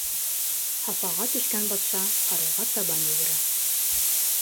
Хафаға төшкән батша һарайға табан йүгерә.